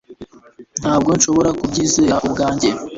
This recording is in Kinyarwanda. Ntabwo nshobora kubyizera ubwanjye